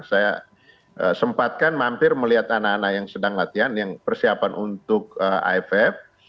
saya sempatkan mampir melihat anak anak yang sedang latihan yang persiapan untuk aff